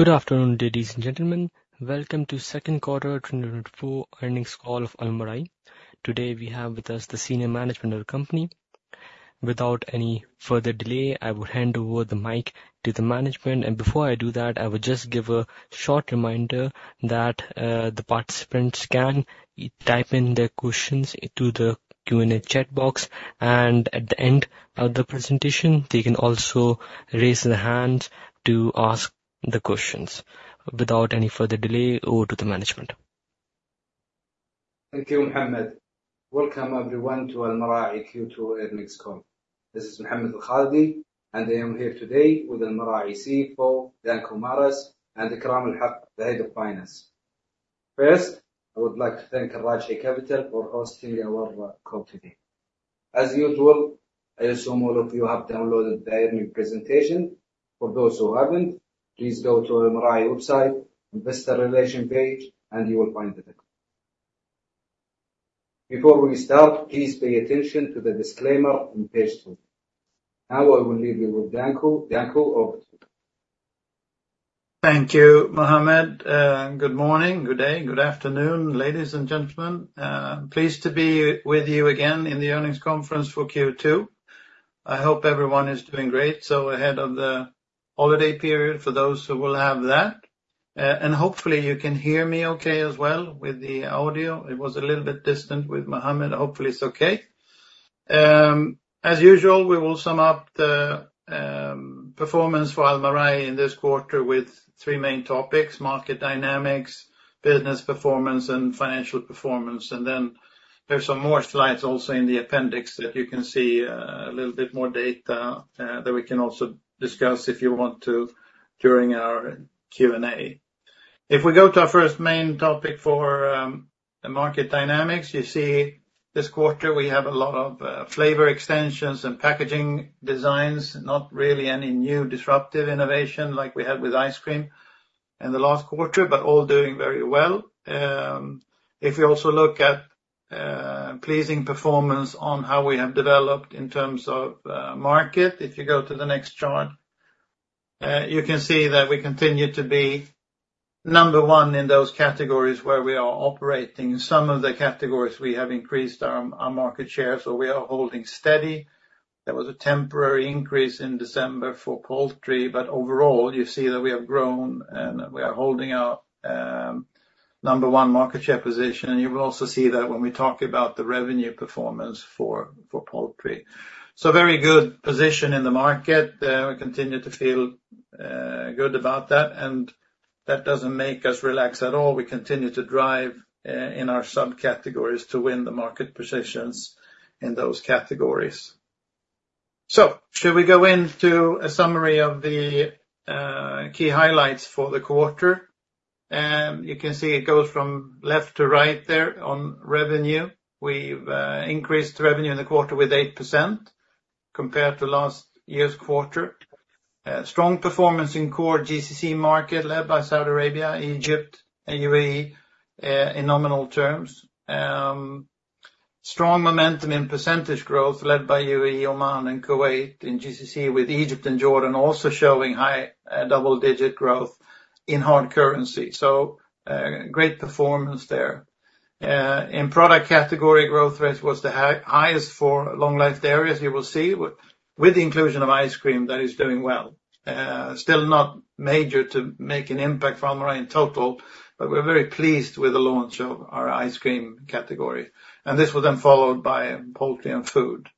Good afternoon, ladies and gentlemen. Welcome to Second Quarter 2024 Earnings Call of Almarai. Today, we have with us the Senior Management of the company. Without any further delay, I will hand over the mic to the management. Before I do that, I will just give a short reminder that the participants can type in their questions into the Q&A chat box. And at the end of the presentation, they can also raise their hands to ask the questions. Without any further delay, over to the management. Thank you, Mohammed. Welcome, everyone, to Almarai Q2 Earnings Call. This is Mohammed Al-Khalidi, and I am here today with Almarai CFO Danko Maras and Ikram Ul Haque, Head of Finance. First, I would like to thank Al Rajhi Capital for hosting our call today. As usual, I assume all of you have downloaded the earnings presentation. For those who haven't, please go to Almarai website, investor relations page, and you will find it. Before we start, please pay attention to the disclaimer on page two. Now, I will leave you with Danko. Danko, over to you. Thank you, Mohammed. Good morning, good day, good afternoon, ladies and gentlemen. Pleased to be with you again in the earnings conference for Q2. I hope everyone is doing great. So, ahead of the holiday period, for those who will have that, and hopefully, you can hear me okay as well with the audio. It was a little bit distant with Mohammed. Hopefully, it's okay. As usual, we will sum up the performance for Almarai in this quarter with three main topics: market dynamics, business performance, and financial performance. And then there are some more slides also in the appendix that you can see a little bit more data that we can also discuss if you want to during our Q&A. If we go to our first main topic for market dynamics, you see this quarter, we have a lot of flavor extensions and packaging designs, not really any new disruptive innovation like we had with ice cream in the last quarter, but all doing very well. If we also look at pleasing performance on how we have developed in terms of market, if you go to the next chart, you can see that we continue to be number one in those categories where we are operating. In some of the categories, we have increased our market share, so we are holding steady. There was a temporary increase in December for poultry, but overall, you see that we have grown and we are holding our number one market share position. You will also see that when we talk about the revenue performance for poultry. So, very good position in the market. We continue to feel good about that, and that doesn't make us relax at all. We continue to drive in our subcategories to win the market positions in those categories. So, should we go into a summary of the key highlights for the quarter? You can see it goes from left to right there on revenue. We've increased revenue in the quarter with 8% compared to last year's quarter. Strong performance in core GCC market led by Saudi Arabia, Egypt, and UAE in nominal terms. Strong momentum in percentage growth led by UAE, Oman, and Kuwait in GCC with Egypt and Jordan also showing high double-digit growth in hard currency. So, great performance there. In product category, growth rate was the highest for Long-Life Dairy, you will see, with the inclusion of ice cream that is doing well. Still not major to make an impact for Almarai in total, but we're very pleased with the launch of our ice cream category. And this was then followed by poultry and food.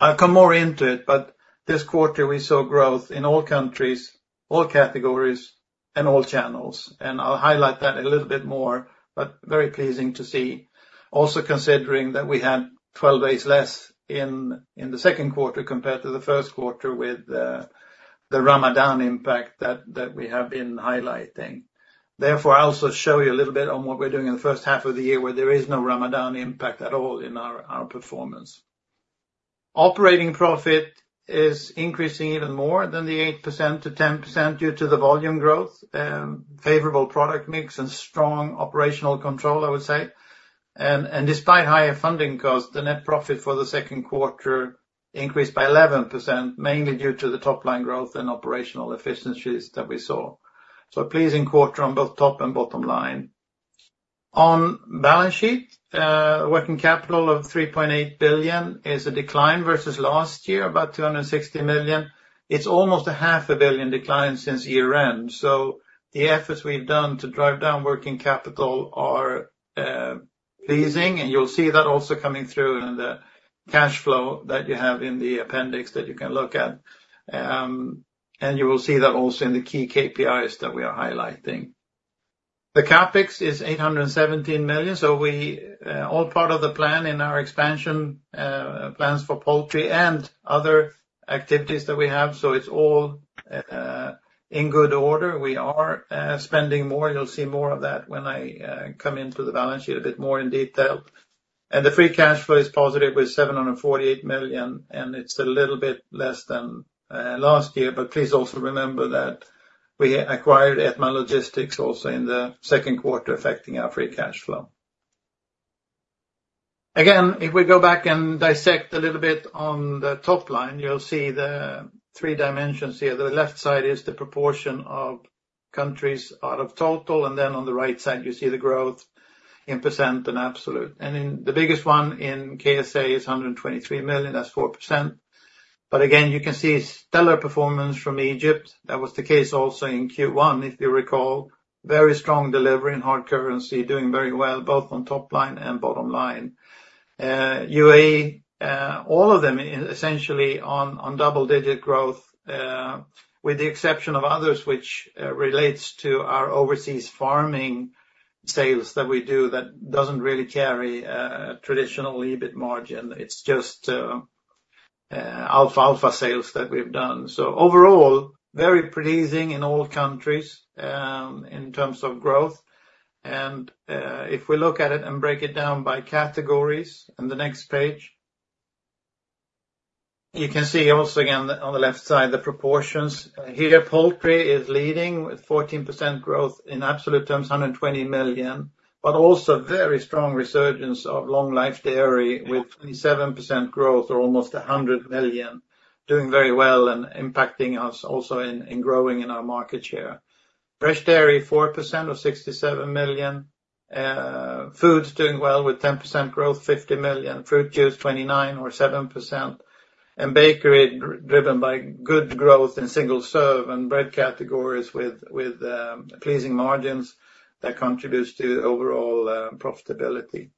I'll come more into it, but this quarter, we saw growth in all countries, all categories, and all channels. And I'll highlight that a little bit more, but very pleasing to see. Also, considering that we had 12 days less in the second quarter compared to the first quarter with the Ramadan impact that we have been highlighting. Therefore, I'll also show you a little bit on what we're doing in the first half of the year where there is no Ramadan impact at all in our performance. Operating profit is increasing even more than the 8%-10% due to the volume growth, favorable product mix, and strong operational control, I would say. Despite higher funding costs, the net profit for the second quarter increased by 11%, mainly due to the top-line growth and operational efficiencies that we saw. So, pleasing quarter on both top and bottom line. On balance sheet, working capital of 3.8 billion is a decline versus last year, about 260 million. It's almost 500 million decline since year-end. So, the efforts we've done to drive down working capital are pleasing, and you'll see that also coming through in the cash flow that you have in the appendix that you can look at. And you will see that also in the key KPIs that we are highlighting. The CapEx is 817 million. So, we are all part of the plan in our expansion plans for poultry and other activities that we have. So, it's all in good order. We are spending more. You'll see more of that when I come into the balance sheet a bit more in detail. The free cash flow is positive with 748 million, and it's a little bit less than last year. But please also remember that we acquired Etmam Logistics also in the second quarter, affecting our free cash flow. Again, if we go back and dissect a little bit on the top line, you'll see the three dimensions here. The left side is the proportion of countries out of total, and then on the right side, you see the growth in percent and absolute. And the biggest one in KSA is 123 million. That's 4%. But again, you can see stellar performance from Egypt. That was the case also in Q1, if you recall. Very strong delivery in hard currency, doing very well both on top line and bottom line. UAE, all of them essentially on double-digit growth, with the exception of others, which relates to our overseas farming sales that we do that doesn't really carry traditional EBIT margin. It's just alfalfa sales that we've done. So, overall, very pleasing in all countries in terms of growth. And if we look at it and break it down by categories on the next page, you can see also again on the left side the proportions. Here, poultry is leading with 14% growth in absolute terms, 120 million, but also very strong resurgence of Long-Life Dairy with 27% growth or almost 100 million, doing very well and impacting us also in growing in our market Fresh Dairy, 4% or 67 million. Foods doing well with 10% growth, 50 million. Fruit juice, 29 or 7%. Bakery driven by good growth in single-serve and bread categories with pleasing margins that contributes to overall profitability.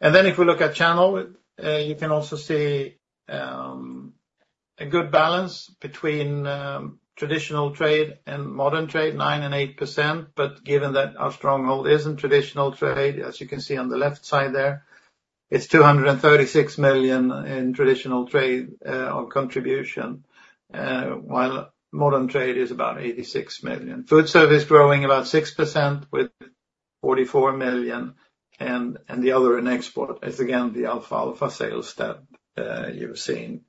Then if we look at channel, you can also see a good balance between traditional trade and modern trade, 9% and 8%. But given that our stronghold isn't traditional trade, as you can see on the left side there, it's 236 million in traditional trade contribution, while modern trade is about 86 million. Food service growing about 6% with 44 million. And the other in export is again the alfalfa sales that you've seen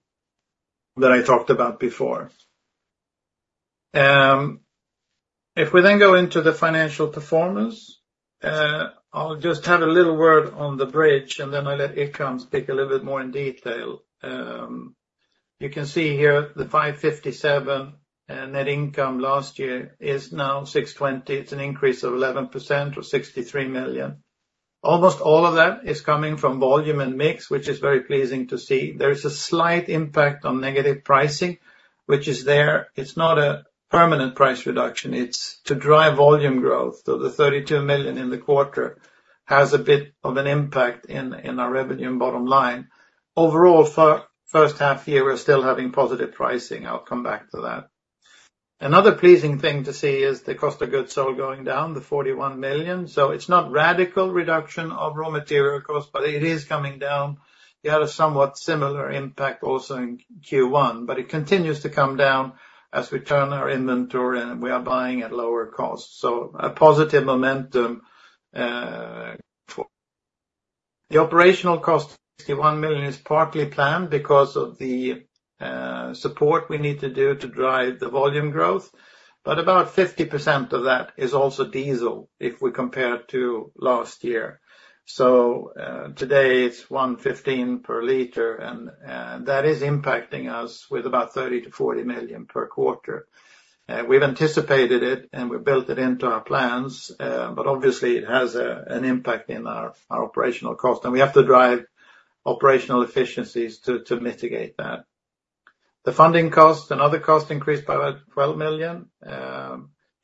that I talked about before. If we then go into the financial performance, I'll just have a little word on the bridge, and then I'll let Ikram speak a little bit more in detail. You can see here the 557 net income last year is now 620. It's an increase of 11% or 63 million. Almost all of that is coming from volume and mix, which is very pleasing to see. There is a slight impact on negative pricing, which is there. It's not a permanent price reduction. It's to drive volume growth. So, the 32 million in the quarter has a bit of an impact in our revenue and bottom line. Overall, first half year, we're still having positive pricing. I'll come back to that. Another pleasing thing to see is the cost of goods sold going down, the 41 million. So, it's not a radical reduction of raw material costs, but it is coming down. You had a somewhat similar impact also in Q1, but it continues to come down as we turn our inventory and we are buying at lower costs. So, a positive momentum for the operational cost, 61 million is partly planned because of the support we need to do to drive the volume growth. But about 50% of that is also diesel if we compare to last year. So, today it's 115 per liter, and that is impacting us with about 30 million-40 million per quarter. We've anticipated it, and we've built it into our plans, but obviously, it has an impact in our operational cost, and we have to drive operational efficiencies to mitigate that. The funding cost and other costs increased by about 12 million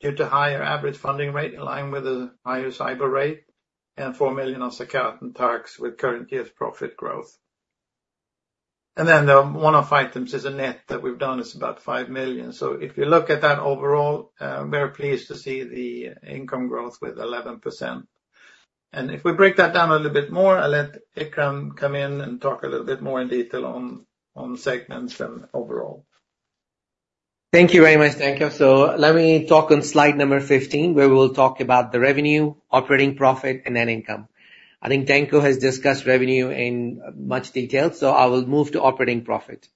due to higher average funding rate in line with a higher SIBOR rate and 4 million on security and tax with current year's profit growth. And then the one-off items is a net that we've done is about 5 million. If you look at that overall, we're pleased to see the income growth with 11%. If we break that down a little bit more, I'll let Ikram come in and talk a little bit more in detail on segments and overall. Thank you very much, Danko. So, let me talk on slide number 15, where we will talk about the revenue, operating profit, and net income. I think Danko has discussed revenue in much detail, so I will move to operating profit.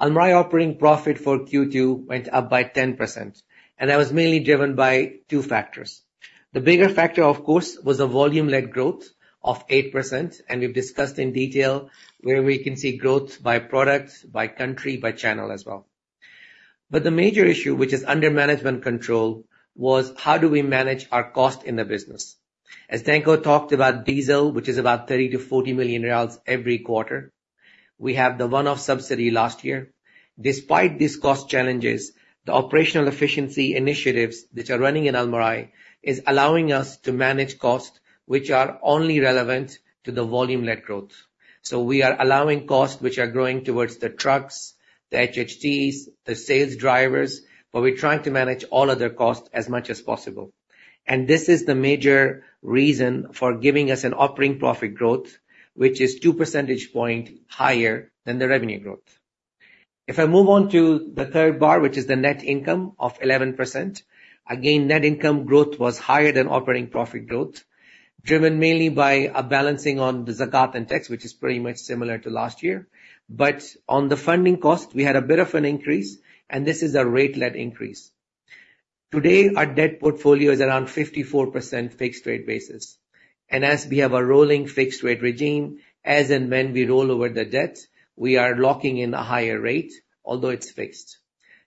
Almarai operating profit for Q2 went up by 10%, and that was mainly driven by two factors. The bigger factor, of course, was the volume-led growth of 8%, and we've discussed in detail where we can see growth by product, by country, by channel as well. But the major issue, which is under management control, was how do we manage our cost in the business. As Danko talked about diesel, which is about 30 million-40 million riyals every quarter, we have the one-off subsidy last year. Despite these cost challenges, the operational efficiency initiatives which are running in Almarai are allowing us to manage costs which are only relevant to the volume-led growth. So, we are allowing costs which are growing towards the trucks, the HHTs, the sales drivers, but we're trying to manage all other costs as much as possible. This is the major reason for giving us an operating profit growth, which is two percentage points higher than the revenue growth. If I move on to the third bar, which is the net income of 11%, again, net income growth was higher than operating profit growth, driven mainly by a balancing on the zakat and tax, which is pretty much similar to last year. But on the funding cost, we had a bit of an increase, and this is a rate-led increase. Today, our debt portfolio is around 54% fixed rate basis. As we have a rolling fixed rate regime, as and when we roll over the debt, we are locking in a higher rate, although it's fixed.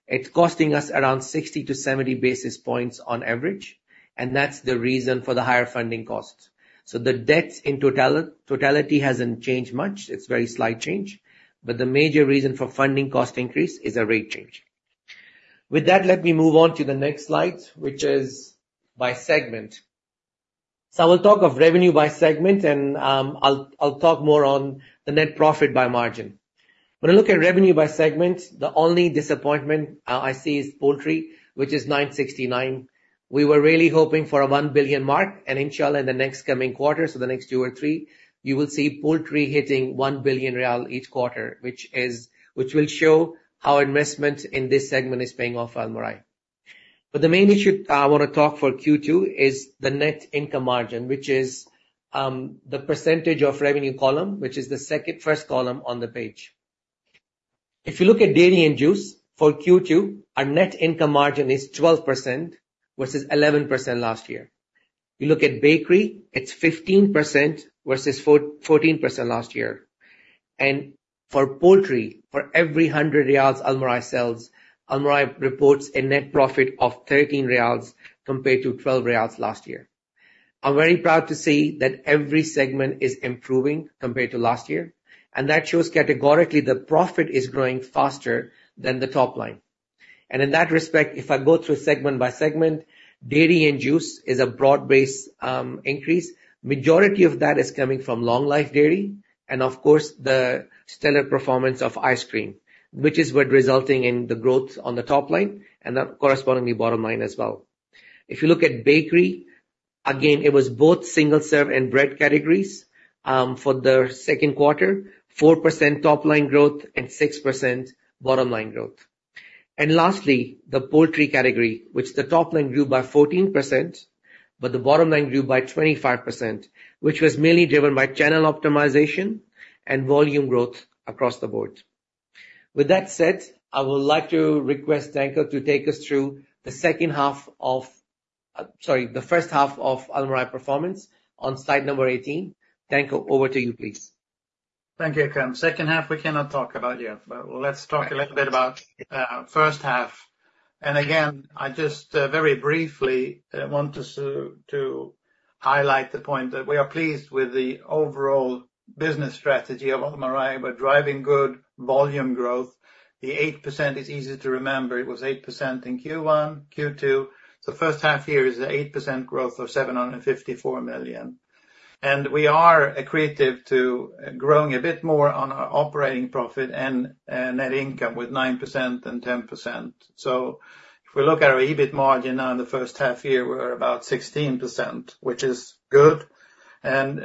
It's costing us around 60-70 basis points on average, and that's the reason for the higher funding cost. So, the debt in totality hasn't changed much. It's a very slight change, but the major reason for funding cost increase is a rate change. With that, let me move on to the next slide, which is by segment. So, I will talk of revenue by segment, and I'll talk more on the net profit by margin. When I look at revenue by segment, the only disappointment I see is poultry, which is 969. We were really hoping for a 1 billion mark, and inshallah, in the next coming quarter, so the next two or three, you will see poultry hitting SAR 1 billion each quarter, which will show how investment in this segment is paying off Almarai. But the main issue I want to talk about for Q2 is the net income margin, which is the percentage of revenue column, which is the second first column on the page. If you look at dairy and juice, for Q2, our net income margin is 12% versus 11% last year. You look at bakery, it's 15% versus 14% last year. For poultry, for every 100 riyals Almarai sells, Almarai reports a net profit of 13 riyals compared to 12 riyals last year. I'm very proud to see that every segment is improving compared to last year, and that shows categorically the profit is growing faster than the top line. In that respect, if I go through segment by segment, dairy and juice is a broad-based increase. Majority of that is coming from Long-Life Dairy and, of course, the stellar performance of ice cream, which is what's resulting in the growth on the top line and correspondingly bottom line as well. If you look at bakery, again, it was both single-serve and bread categories for the second quarter, 4% top line growth and 6% bottom line growth. Lastly, the poultry category, which the top line grew by 14%, but the bottom line grew by 25%, which was mainly driven by channel optimization and volume growth across the board. With that said, I would like to request Danko to take us through the second half of, sorry, the first half of Almarai performance on slide number 18. Danko, over to you, please. Thank you, Ikram. Second half, we cannot talk about yet, but let's talk a little bit about first half. Again, I just very briefly want to highlight the point that we are pleased with the overall business strategy of Almarai. We're driving good volume growth. The 8% is easy to remember. It was 8% in Q1, Q2. The first half year is an 8% growth of 754 million. And we are accredited to growing a bit more on our operating profit and net income with 9% and 10%. So, if we look at our EBIT margin now in the first half year, we're about 16%, which is good. And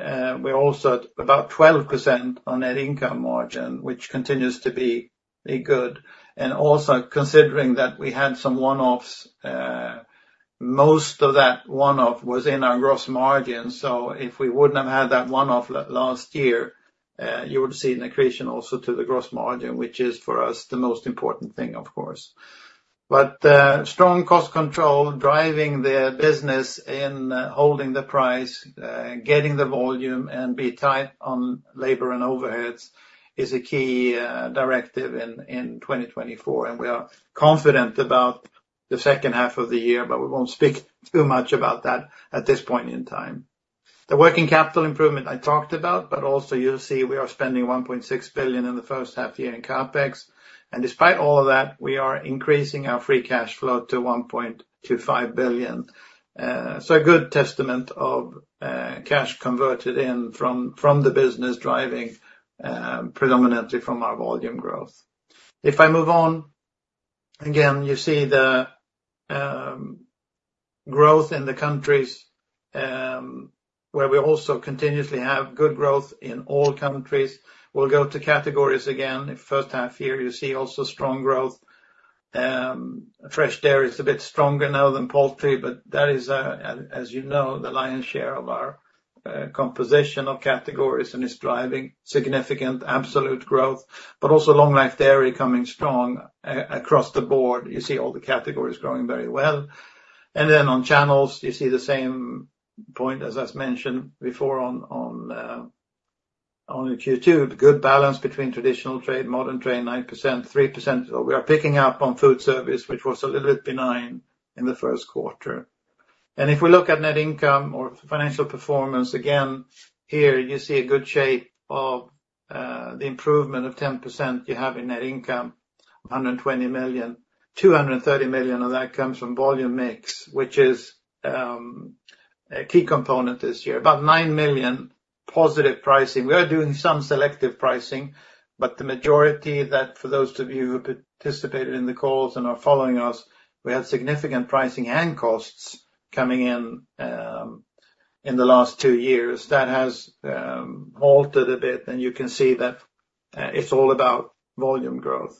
we're also at about 12% on net income margin, which continues to be good. And also, considering that we had some one-offs, most of that one-off was in our gross margin. So, if we wouldn't have had that one-off last year, you would have seen an accretion also to the gross margin, which is for us the most important thing, of course. But strong cost control driving the business in holding the price, getting the volume, and being tight on labor and overheads is a key directive in 2024. And we are confident about the second half of the year, but we won't speak too much about that at this point in time. The working capital improvement I talked about, but also you'll see we are spending 1.6 billion in the first half year in CapEx. And despite all of that, we are increasing our free cash flow to 1.25 billion. So, a good testament of cash converted in from the business driving predominantly from our volume growth. If I move on, again, you see the growth in the countries where we also continuously have good growth in all countries. We'll go to categories again. First half year, you see also strong Fresh Dairy is a bit stronger now than poultry, but that is, as you know, the lion's share of our composition of categories and is driving significant absolute growth, but also Long-Life Dairy coming strong across the board. You see all the categories growing very well. And then on channels, you see the same point as I've mentioned before on Q2, good balance between traditional trade, modern trade, 9%, 3%. We are picking up on food service, which was a little bit benign in the first quarter. And if we look at net income or financial performance, again, here you see a good shape of the improvement of 10% you have in net income, 120 million. 230 million of that comes from volume mix, which is a key component this year. About 9 million positive pricing. We are doing some selective pricing, but the majority that for those of you who participated in the calls and are following us, we had significant pricing and costs coming in in the last two years. That has halted a bit, and you can see that it's all about volume growth.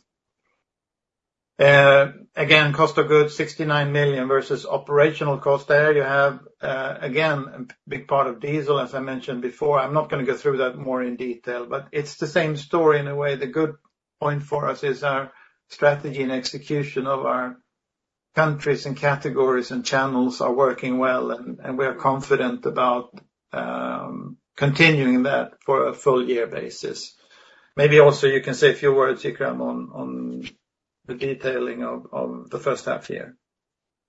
Again, cost of goods, 69 million versus operational cost there. You have, again, a big part of diesel, as I mentioned before. I'm not going to go through that more in detail, but it's the same story in a way. The good point for us is our strategy and execution of our countries and categories and channels are working well, and we are confident about continuing that for a full year basis. Maybe also you can say a few words, Ikram, on the detailing of the first half year.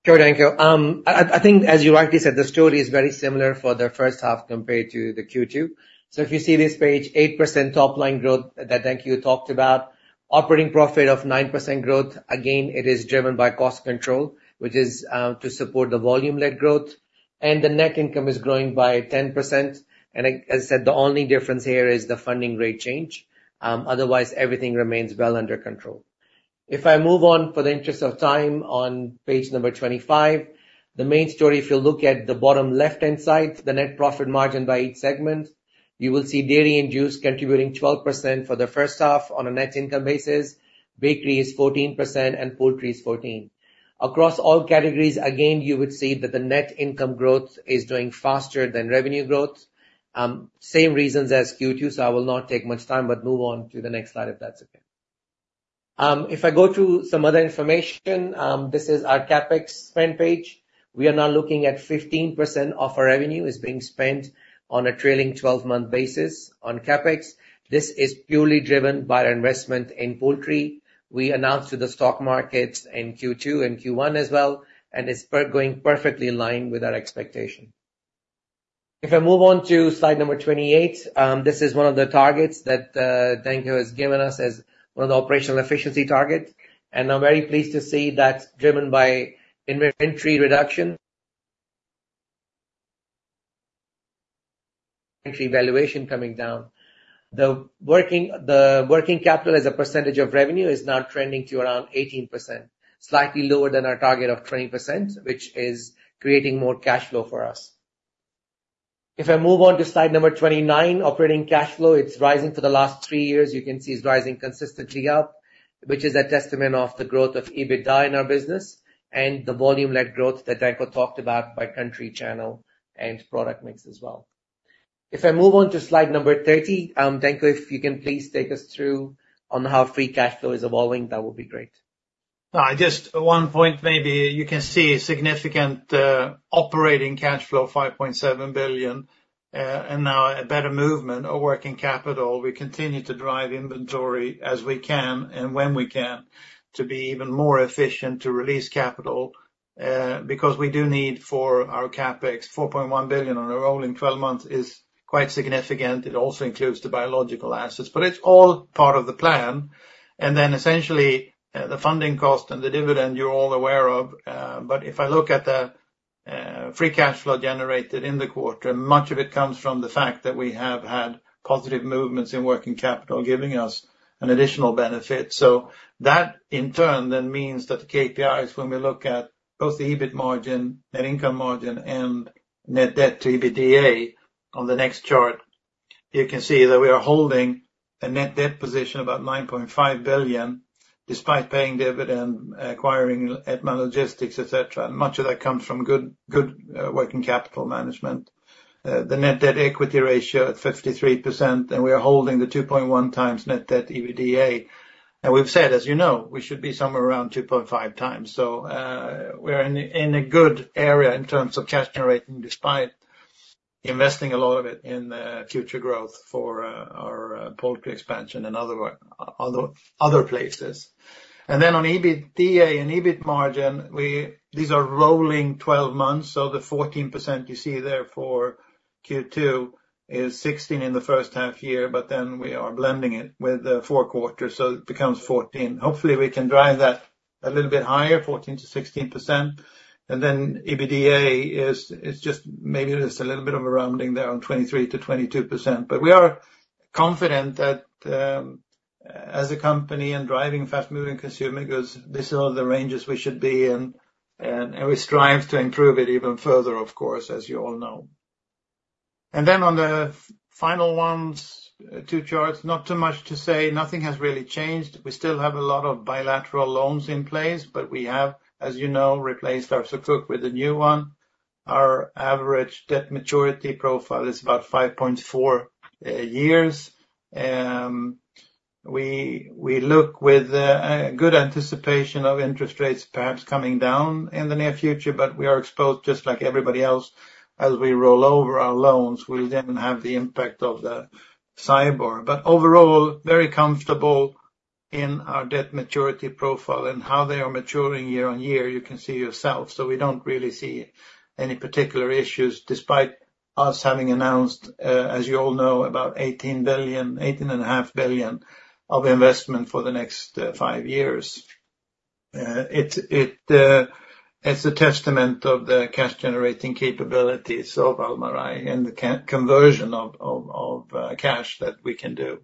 Sure, Danko. I think, as you rightly said, the story is very similar for the first half compared to the Q2. So, if you see this page, 8% top line growth that Danko talked about, operating profit of 9% growth. Again, it is driven by cost control, which is to support the volume-led growth. And the net income is growing by 10%. And as I said, the only difference here is the funding rate change. Otherwise, everything remains well under control. If I move on for the interest of time on page number 25, the main story, if you look at the bottom left-hand side, the net profit margin by each segment, you will see dairy and juice contributing 12% for the first half on a net income basis. Bakery is 14% and poultry is 14%. Across all categories, again, you would see that the net income growth is doing faster than revenue growth. Same reasons as Q2, so I will not take much time, but move on to the next slide if that's okay. If I go to some other information, this is our CapEx spend page. We are now looking at 15% of our revenue is being spent on a trailing 12-month basis on CapEx. This is purely driven by our investment in poultry. We announced to the stock markets in Q2 and Q1 as well, and it's going perfectly in line with our expectation. If I move on to slide number 28, this is one of the targets that Danko has given us as one of the operational efficiency targets. I'm very pleased to see that's driven by inventory reduction. Inventory valuation coming down. The working capital as a percentage of revenue is now trending to around 18%, slightly lower than our target of 20%, which is creating more cash flow for us. If I move on to slide number 29, operating cash flow, it's rising for the last three years. You can see it's rising consistently up, which is a testament of the growth of EBITDA in our business and the volume-led growth that Danko talked about by country channel and product mix as well. If I move on to slide number 30, Danko, if you can please take us through on how free cash flow is evolving, that would be great. I just, one point maybe, you can see significant operating cash flow, 5.7 billion, and now a better movement of working capital. We continue to drive inventory as we can and when we can to be even more efficient to release capital because we do need for our CapEx, 4.1 billion on a rolling 12 months is quite significant. It also includes the biological assets, but it's all part of the plan. And then essentially the funding cost and the dividend you're all aware of. But if I look at the free cash flow generated in the quarter, much of it comes from the fact that we have had positive movements in working capital giving us an additional benefit. So that in turn then means that the KPIs, when we look at both the EBIT margin, net income margin, and net debt to EBITDA on the next chart, you can see that we are holding a net debt position of about 9.5 billion despite paying dividend, acquiring Etmam Logistics, etc. And much of that comes from good working capital management. The net debt equity ratio at 53%, and we are holding the 2.1x net debt EBITDA. And we've said, as you know, we should be somewhere around 2.5x. So we're in a good area in terms of cash generating despite investing a lot of it in future growth for our poultry expansion and other places. And then on EBITDA and EBIT margin, these are rolling 12 months. So the 14% you see there for Q2 is 16% in the first half year, but then we are blending it with the four quarters, so it becomes 14%. Hopefully, we can drive that a little bit higher, 14%-16%. And then EBITDA is just maybe just a little bit of a rounding there on 23%-22%. But we are confident that as a company and driving fast moving consumer goods, this is all the ranges we should be in, and we strive to improve it even further, of course, as you all know. And then on the final ones, two charts, not too much to say. Nothing has really changed. We still have a lot of bilateral loans in place, but we have, as you know, replaced our Sukuk with a new one. Our average debt maturity profile is about 5.4 years. We look with a good anticipation of interest rates perhaps coming down in the near future, but we are exposed just like everybody else as we roll over our loans. We'll then have the impact of the Sukuk. But overall, very comfortable in our debt maturity profile and how they are maturing year-on-year, you can see for yourself. So we don't really see any particular issues despite us having announced, as you all know, about 18 billion, 18.5 billion of investment for the next five years. It's a testament of the cash generating capabilities of Almarai and the conversion of cash that we can do.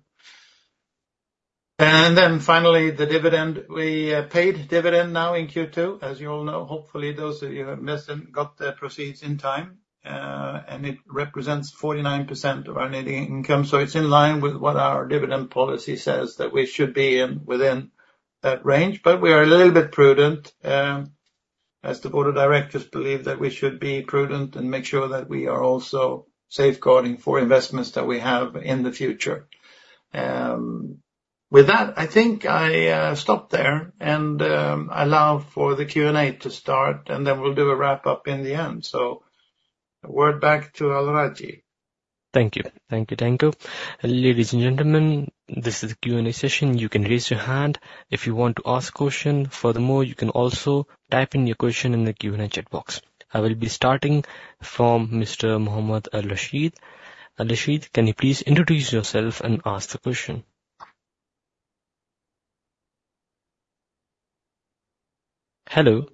And then finally, the dividend. We paid dividend now in Q2, as you all know. Hopefully, those of you who have missed and got the proceeds in time. And it represents 49% of our net income. So it's in line with what our dividend policy says that we should be in within that range. But we are a little bit prudent, as the board of directors believe that we should be prudent and make sure that we are also safeguarding for investments that we have in the future. With that, I think I stop there and allow for the Q&A to start, and then we'll do a wrap-up in the end. So a word back to Al Rajhi. Thank you. Thank you, Danko. Ladies and gentlemen, this is the Q&A session. You can raise your hand if you want to ask a question. Furthermore, you can also type in your question in the Q&A chat box. I will be starting from Mr. Mohammed Al-Rashid. Al-Rashid, can you please introduce yourself and ask the question? Hello.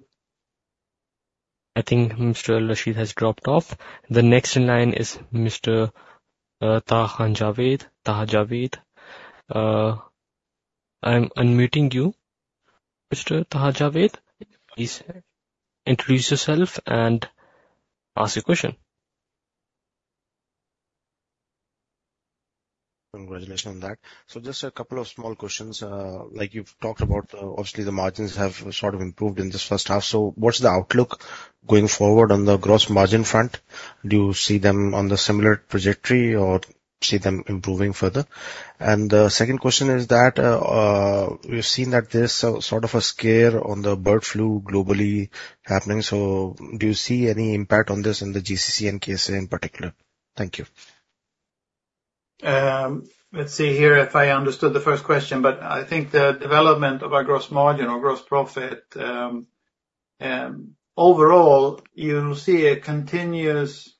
I think Mr. Al-Rashid has dropped off. The next in line is Mr. Taha Javed. Taha Javed. I'm unmuting you. Mr. Taha Javed, please introduce yourself and ask your question. Congratulations on that. So just a couple of small questions. Like you've talked about, obviously the margins have sort of improved in this first half. So what's the outlook going forward on the gross margin front? Do you see them on the similar trajectory or see them improving further? And the second question is that we've seen that there's sort of a scare on the bird flu globally happening. So do you see any impact on this in the GCC and KSA in particular? Thank you. Let's see here if I understood the first question, but I think the development of our gross margin or gross profit, overall, you see a continuous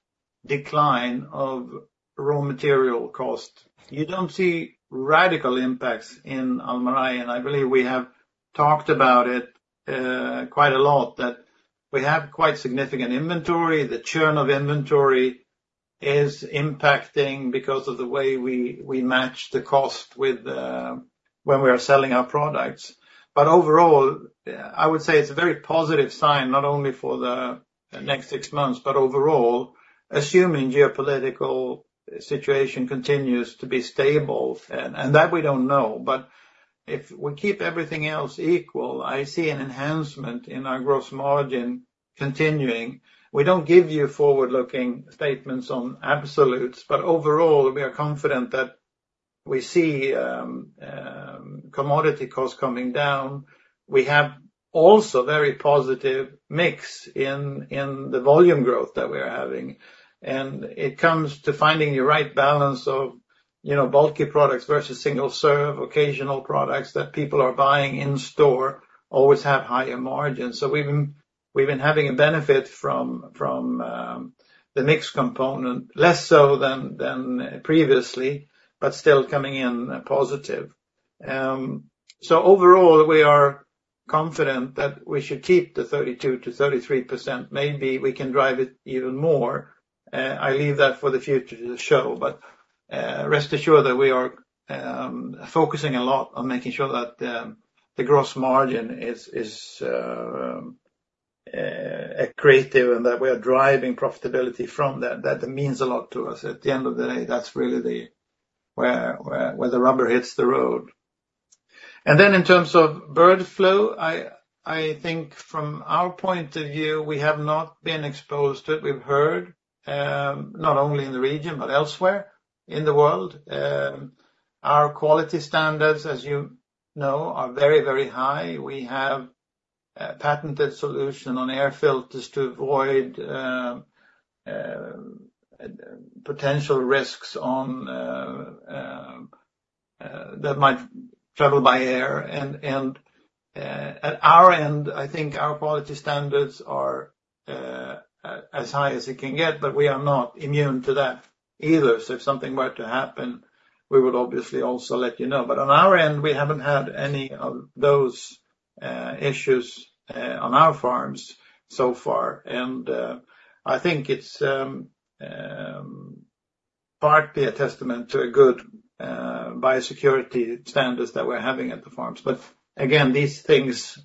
decline of raw material cost. You don't see radical impacts in Almarai, and I believe we have talked about it quite a lot that we have quite significant inventory. The churn of inventory is impacting because of the way we match the cost when we are selling our products. But overall, I would say it's a very positive sign not only for the next six months, but overall, assuming geopolitical situation continues to be stable. And that we don't know, but if we keep everything else equal, I see an enhancement in our gross margin continuing. We don't give you forward-looking statements on absolutes, but overall, we are confident that we see commodity costs coming down. We have also very positive mix in the volume growth that we are having. It comes to finding the right balance of bulky products versus single-serve, occasional products that people are buying in store, always have higher margins. We've been having a benefit from the mix component, less so than previously, but still coming in positive. Overall, we are confident that we should keep the 32%-33%. Maybe we can drive it even more. I leave that for the future to show, but rest assured that we are focusing a lot on making sure that the gross margin is creative and that we are driving profitability from that. That means a lot to us. At the end of the day, that's really where the rubber hits the road. And then in terms of bird flu, I think from our point of view, we have not been exposed to it. We've heard not only in the region, but elsewhere in the world. Our quality standards, as you know, are very, very high. We have a patented solution on air filters to avoid potential risks that might travel by air. And at our end, I think our quality standards are as high as it can get, but we are not immune to that either. So if something were to happen, we would obviously also let you know. But on our end, we haven't had any of those issues on our farms so far. And I think it's partly a testament to good biosecurity standards that we're having at the farms. But again, these things,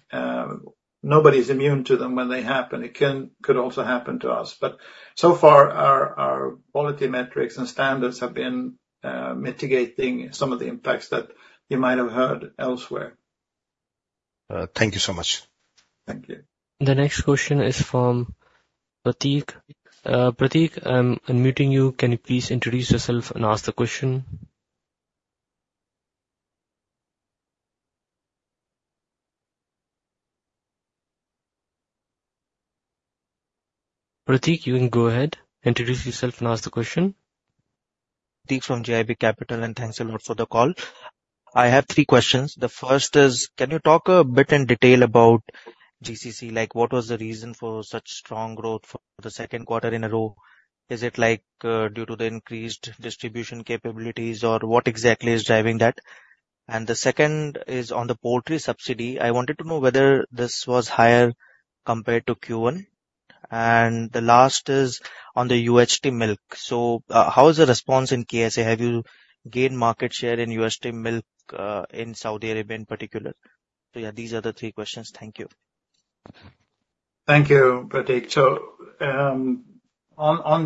nobody's immune to them when they happen. It could also happen to us. So far, our quality metrics and standards have been mitigating some of the impacts that you might have heard elsewhere. Thank you so much. Thank you. The next question is from Prateek. Prateek, I'm unmuting you. Can you please introduce yourself and ask the question? Prateek, you can go ahead. Introduce yourself and ask the question. Prateek from GIB Capital, and thanks a lot for the call. I have three questions. The first is, can you talk a bit in detail about GCC? Like what was the reason for such strong growth for the second quarter in a row? Is it like due to the increased distribution capabilities or what exactly is driving that? And the second is on the poultry subsidy. I wanted to know whether this was higher compared to Q1. And the last is on the UHT milk. So how is the response in KSA? Have you gained market share in UHT milk in Saudi Arabia in particular? So yeah, these are the three questions. Thank you. Thank you, Prateek. So on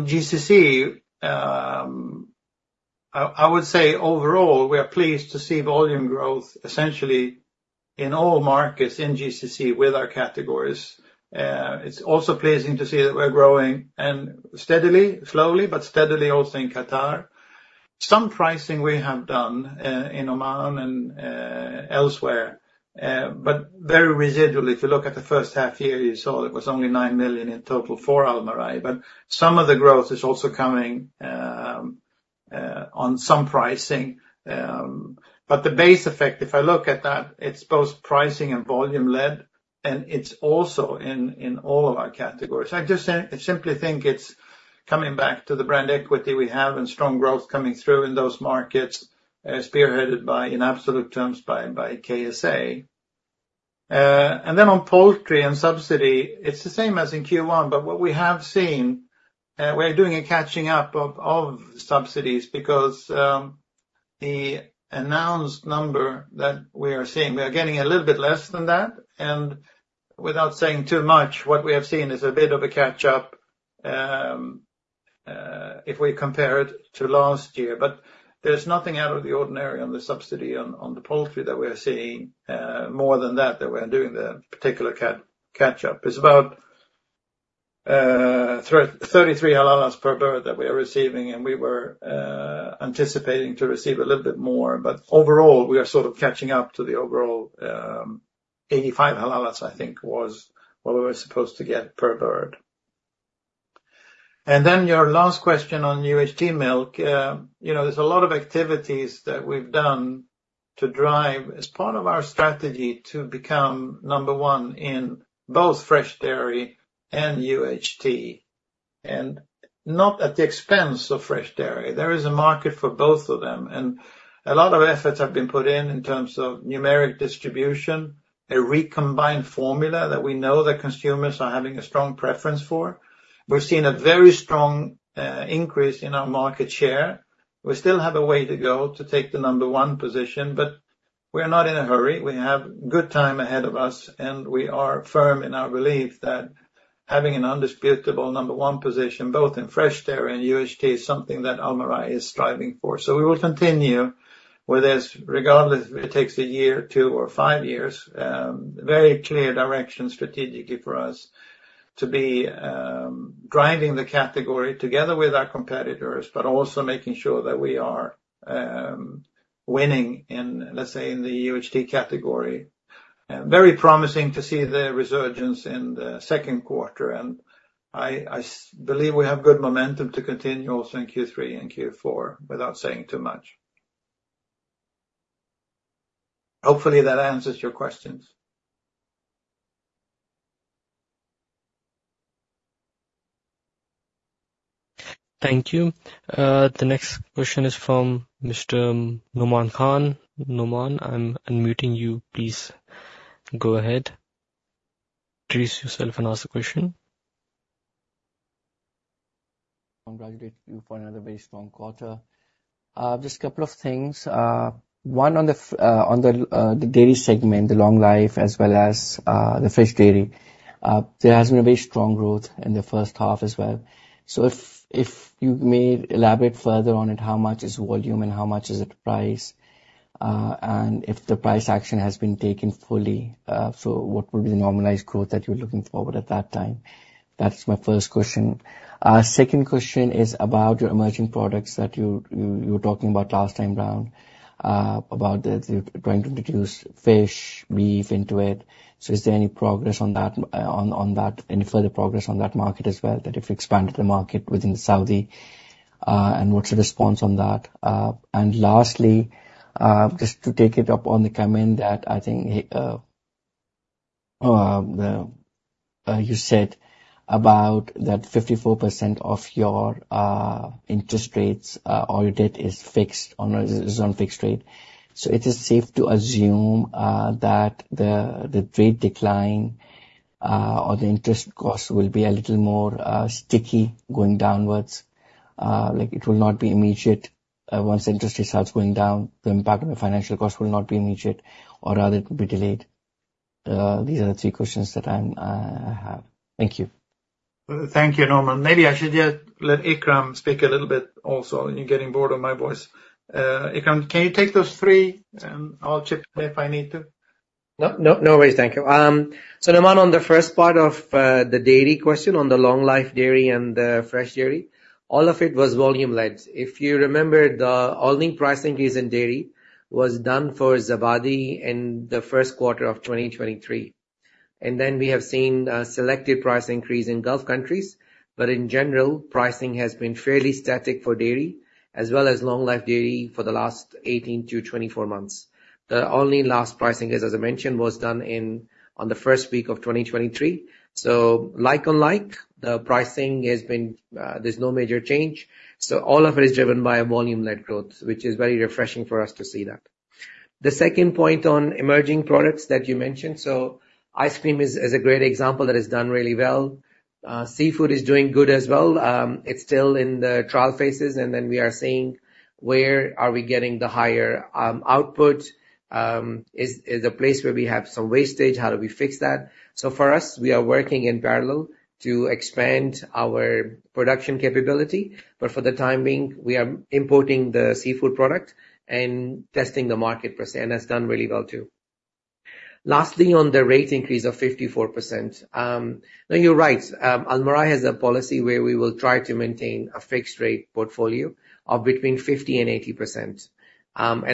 GCC, I would say overall, we are pleased to see volume growth essentially in all markets in GCC with our categories. It's also pleasing to see that we're growing steadily, slowly, but steadily also in Qatar. Some pricing we have done in Oman and elsewhere, but very residual. If you look at the first half year, you saw it was only 9 million in total for Almarai. But some of the growth is also coming on some pricing. But the base effect, if I look at that, it's both pricing and volume led, and it's also in all of our categories. I just simply think it's coming back to the brand equity we have and strong growth coming through in those markets spearheaded by, in absolute terms, by KSA. And then on poultry and subsidy, it's the same as in Q1, but what we have seen, we're doing a catching up of subsidies because the announced number that we are seeing, we are getting a little bit less than that. And without saying too much, what we have seen is a bit of a catch-up if we compare it to last year. But there's nothing out of the ordinary on the subsidy on the poultry that we are seeing more than that that we're doing the particular catch-up. It's about 0.33 per bird that we are receiving, and we were anticipating to receive a little bit more. But overall, we are sort of catching up to the overall 0.85, I think, was what we were supposed to get per bird. And then your last question on UHT milk, there's a lot of activities that we've done to drive as part of our strategy to become number one in Fresh Dairy and UHT, and not at the expense Fresh Dairy. there is a market for both of them, and a lot of efforts have been put in in terms of numeric distribution, a recombined formula that we know that consumers are having a strong preference for. We've seen a very strong increase in our market share. We still have a way to go to take the number one position, but we're not in a hurry. We have good time ahead of us, and we are firm in our belief that having an indisputable number one position both Fresh Dairy and UHT is something that Almarai is striving for. We will continue with this, regardless if it takes a year, two, or five years. Very clear direction strategically for us to be driving the category together with our competitors, but also making sure that we are winning in, let's say, in the UHT category. Very promising to see the resurgence in the second quarter. I believe we have good momentum to continue also in Q3 and Q4 without saying too much. Hopefully, that answers your questions. Thank you. The next question is from Mr. Nauman Khan. Nauman, I'm unmuting you. Please go ahead. Introduce yourself and ask the question. Congratulations to you for another very strong quarter. Just a couple of things. One on the dairy segment, the long life, as well as Fresh Dairy. there has been a very strong growth in the first half as well. So if you may elaborate further on it, how much is volume and how much is it price? And if the price action has been taken fully, so what would be the normalized growth that you're looking forward at that time? That's my first question. Second question is about your emerging products that you were talking about last time around, about trying to introduce fish, beef into it. So is there any progress on that, any further progress on that market as well, that if you expanded the market within Saudi, and what's the response on that? And lastly, just to take it up on the comment that I think you said about that 54% of your interest rates or your debt is fixed on a fixed rate. So it is safe to assume that the rate decline or the interest cost will be a little more sticky going downwards. It will not be immediate once interest rates start going down. The impact on the financial cost will not be immediate or rather it will be delayed. These are the three questions that I have. Thank you. Thank you, Nauman. Maybe I should just let Ikram speak a little bit also. You're getting bored of my voice. Ikram, can you take those three and I'll chip in if I need to? No, no worries. Thank you. So Nauman, on the first part of the dairy question on the Long-Life Dairy and Fresh Dairy, all of it was volume led. If you remember, the all-new price increase in dairy was done for Zabadi in the first quarter of 2023. And then we have seen a selective price increase in Gulf countries, but in general, pricing has been fairly static for dairy, as well as Long-Life Dairy for the last 18-24 months. The only last pricing is, as I mentioned, was done on the first week of 2023. So like on like, the pricing has been, there's no major change. So all of it is driven by volume led growth, which is very refreshing for us to see that. The second point on emerging products that you mentioned, so ice cream is a great example that is done really well. Seafood is doing good as well. It's still in the trial phases, and then we are seeing where are we getting the higher output? Is the place where we have some wastage? How do we fix that? So for us, we are working in parallel to expand our production capability. But for the time being, we are importing the seafood product and testing the market per se, and it's done really well too. Lastly, on the rate increase of 54%, you're right. Almarai has a policy where we will try to maintain a fixed rate portfolio of between 50%-80%.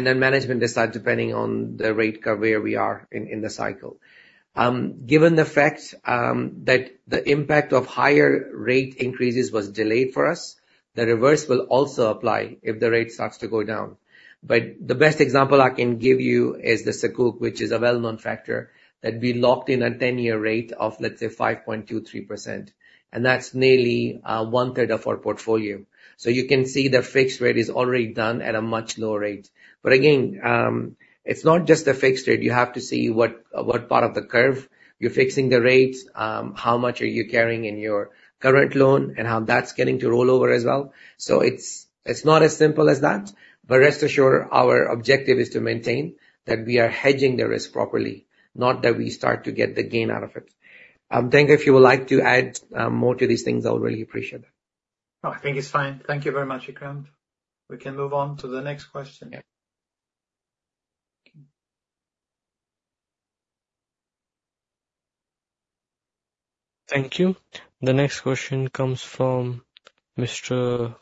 Then management decides depending on the rate curve where we are in the cycle. Given the fact that the impact of higher rate increases was delayed for us, the reverse will also apply if the rate starts to go down. But the best example I can give you is the Sukuk, which is a well-known factor that we locked in a 10-year rate of, let's say, 5.23%. And that's nearly one-third of our portfolio. So you can see the fixed rate is already done at a much lower rate. But again, it's not just the fixed rate. You have to see what part of the curve you're fixing the rates, how much are you carrying in your current loan, and how that's getting to rollover as well. So it's not as simple as that. But rest assured, our objective is to maintain that we are hedging the risk properly, not that we start to get the gain out of it. I think if you would like to add more to these things, I would really appreciate that. No, I think it's fine. Thank you very much, Ikram. We can move on to the next question. Thank you. The next question comes from Mr.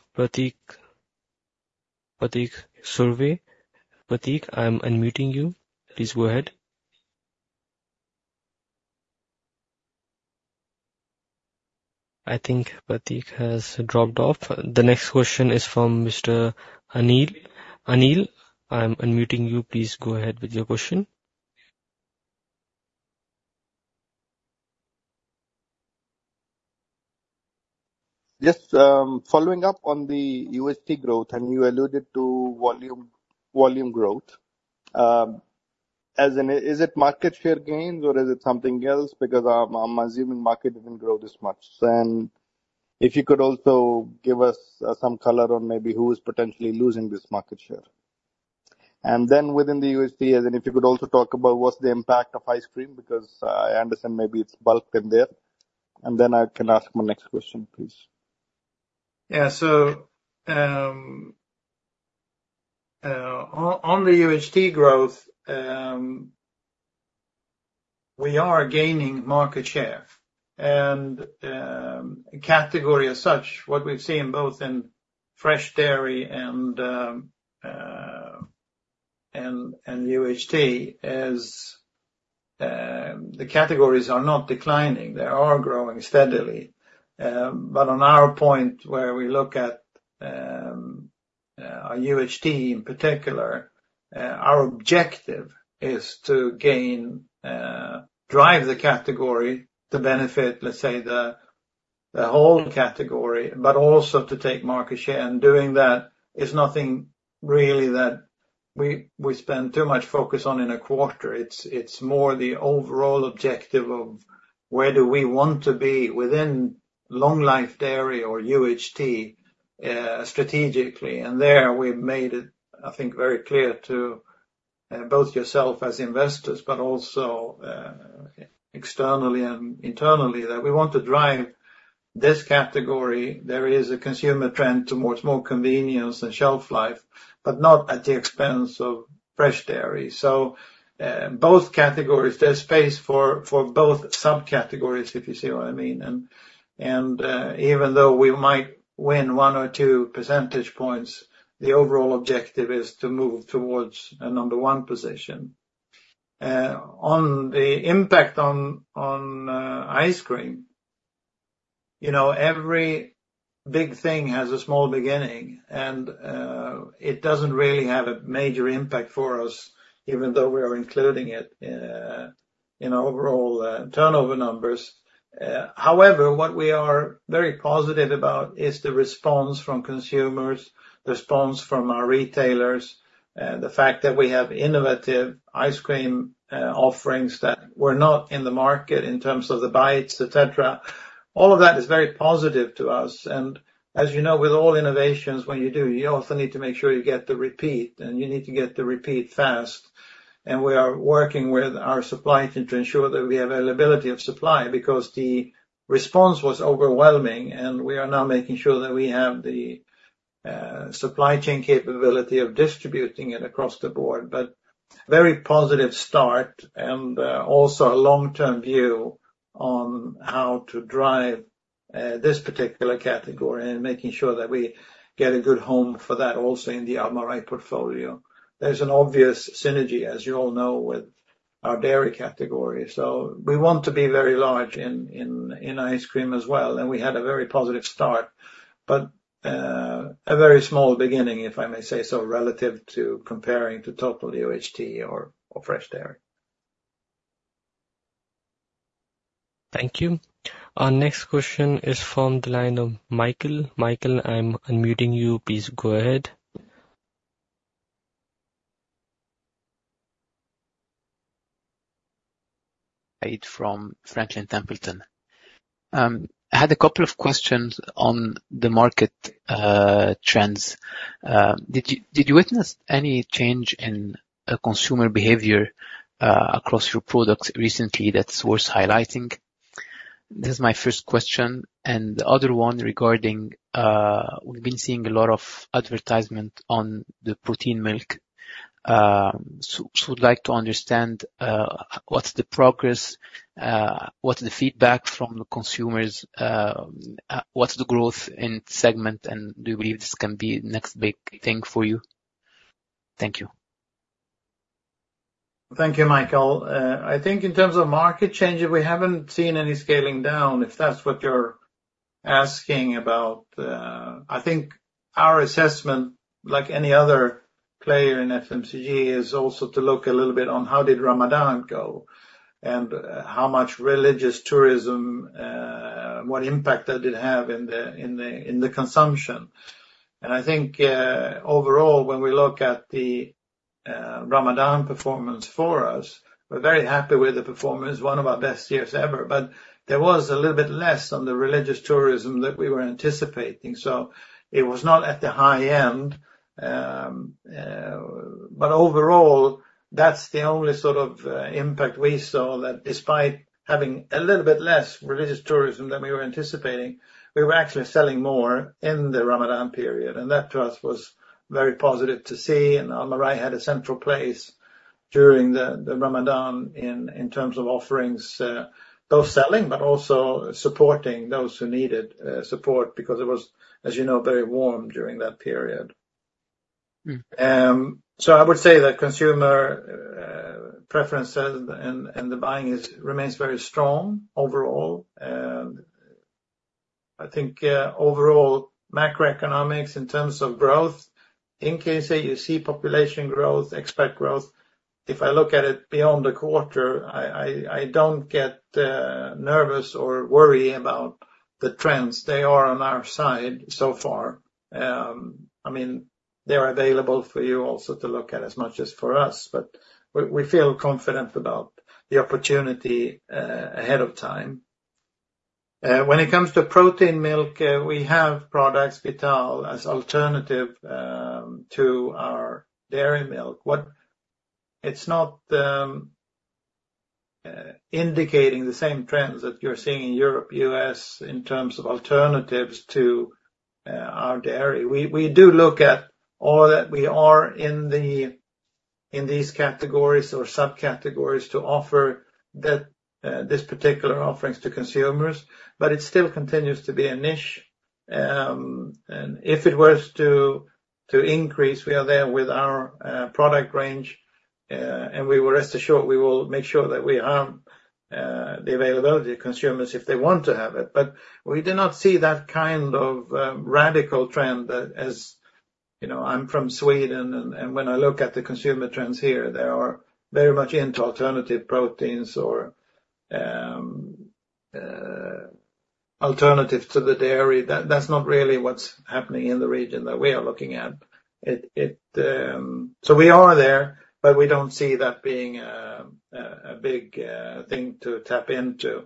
Prateek. Prateek, I'm unmuting you. Please go ahead. I think Prateek has dropped off. The next question is from Mr. Anil. Anil, I'm unmuting you. Please go ahead with your question. Yes. Following up on the UHT growth, and you alluded to volume growth. Is it market share gains or is it something else? Because I'm assuming market didn't grow this much. If you could also give us some color on maybe who is potentially losing this market share. Then within the UHT, if you could also talk about what's the impact of ice cream because I understand maybe it's bulked in there. Then I can ask my next question, please. Yeah. So on the UHT growth, we are gaining market share. And a category as such, what we've seen both Fresh Dairy and UHT is the categories are not declining. They are growing steadily. But on our point where we look at our UHT in particular, our objective is to drive the category to benefit, let's say, the whole category, but also to take market share. And doing that is nothing really that we spend too much focus on in a quarter. It's more the overall objective of where do we want to be within Long-Life Dairy or UHT strategically. And there we've made it, I think, very clear to both yourself as investors, but also externally and internally that we want to drive this category. There is a consumer trend towards more convenience and shelf life, but not at the expense of Fresh Dairy. So both categories, there's space for both subcategories, if you see what I mean. And even though we might win one or two percentage points, the overall objective is to move towards a number one position. On the impact on ice cream, every big thing has a small beginning, and it doesn't really have a major impact for us, even though we are including it in overall turnover numbers. However, what we are very positive about is the response from consumers, the response from our retailers, the fact that we have innovative ice cream offerings that were not in the market in terms of the bites, etc. All of that is very positive to us. And as you know, with all innovations, when you do, you also need to make sure you get the repeat, and you need to get the repeat fast. We are working with our supply chain to ensure that we have availability of supply because the response was overwhelming, and we are now making sure that we have the supply chain capability of distributing it across the board. Very positive start and also a long-term view on how to drive this particular category and making sure that we get a good home for that also in the Almarai portfolio. There's an obvious synergy, as you all know, with our dairy category. We want to be very large in ice cream as well. We had a very positive start, but a very small beginning, if I may say so, relative to comparing to total UHT or Fresh Dairy. Thank you. Our next question is from the line of Michael. Michael, I'm unmuting you. Please go ahead. From Franklin Templeton. I had a couple of questions on the market trends. Did you witness any change in consumer behavior across your products recently that's worth highlighting? This is my first question. And the other one regarding we've been seeing a lot of advertisement on the protein milk. So we'd like to understand what's the progress, what's the feedback from the consumers, what's the growth in segment, and do you believe this can be the next big thing for you? Thank you. Thank you, Michael. I think in terms of market change, we haven't seen any scaling down, if that's what you're asking about. I think our assessment, like any other player in FMCG, is also to look a little bit on how did Ramadan go and how much religious tourism, what impact that did have in the consumption. I think overall, when we look at the Ramadan performance for us, we're very happy with the performance, one of our best years ever. There was a little bit less on the religious tourism that we were anticipating. It was not at the high end. Overall, that's the only sort of impact we saw that despite having a little bit less religious tourism than we were anticipating, we were actually selling more in the Ramadan period. That, to us, was very positive to see. Almarai had a central place during the Ramadan in terms of offerings, both selling, but also supporting those who needed support because it was, as you know, very warm during that period. I would say that consumer preferences and the buying remains very strong overall. I think overall macroeconomics in terms of growth, in case that you see population growth, expect growth. If I look at it beyond the quarter, I don't get nervous or worry about the trends. They are on our side so far. I mean, they're available for you also to look at as much as for us, but we feel confident about the opportunity ahead of time. When it comes to protein milk, we have products Vetal as alternative to our dairy milk. It's not indicating the same trends that you're seeing in Europe, U.S., in terms of alternatives to our dairy. We do look at all that we are in these categories or subcategories to offer this particular offerings to consumers, but it still continues to be a niche. And if it were to increase, we are there with our product range, and we will rest assured we will make sure that we have the availability to consumers if they want to have it. But we do not see that kind of radical trend as I'm from Sweden, and when I look at the consumer trends here, they are very much into alternative proteins or alternatives to the dairy. That's not really what's happening in the region that we are looking at. So we are there, but we don't see that being a big thing to tap into.